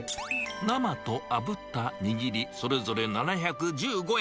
生とあぶった握り、それぞれ７１５円。